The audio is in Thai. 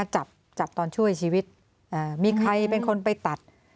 จับจับตอนช่วยชีวิตมีใครเป็นคนไปตัด